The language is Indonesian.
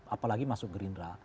apalagi masuk gerindra